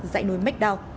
dãy núi macdow